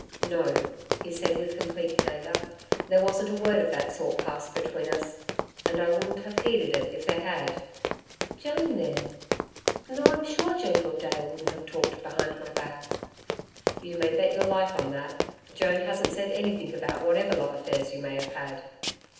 'No,' he said, with complete candour. 'There wasn't a word of that sort passed between us and I wouldn't have heeded it if there had.' 'Joan, then? No, I'm sure Joan Gildea wouldn't have talked behind my back.' 'You may bet your life on that. Joan hasn't said anything about whatever love affairs you may have had.'